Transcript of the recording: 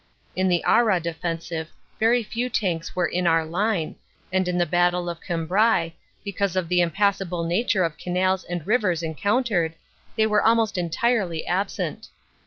In the Arras offensive very few tanks were in our line, and in the Battle of Cambrai, because of the impassable nature of canals and rivers encountered, they were almost entirely absent.